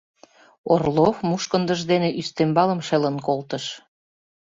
— Орлов мушкындыж дене ӱстембалым шелын колтыш.